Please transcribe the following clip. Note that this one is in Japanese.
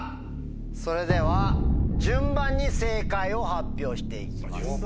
それでは順番に正解を発表して行きます。